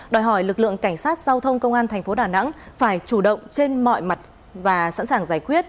đòi hỏi lực lượng cảnh sát giao thông công an thành phố đà nẵng phải chủ động trên mọi mặt và sẵn sàng giải quyết